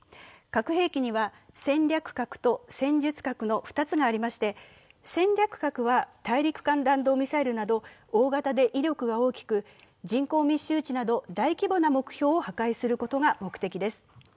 核兵器には、戦略核と戦術核の２つがありまして、戦略核は大陸間弾道ミサイルなど大型で威力が大きく人口密集地など大規模な目標を破壊することが目的です。